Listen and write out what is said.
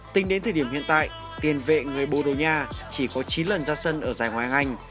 tính đến thời điểm hiện tại tiền vệ người borussia chỉ có chín lần ra sân ở giải ngoài ngành